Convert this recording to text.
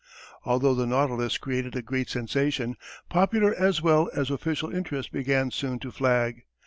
Although the Nautilus created a great sensation, popular as well as official interest began soon to flag.